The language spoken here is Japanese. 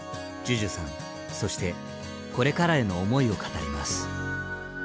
ＪＵＪＵさんそしてこれからへの思いを語ります。